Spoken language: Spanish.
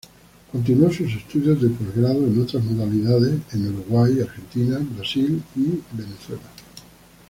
Continuó sus estudios de posgrado en otras modalidades en Uruguay, Argentina, Brasil y Venezuela.